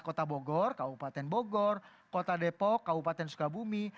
kota bogor kabupaten bogor kota depok kabupaten sukabumi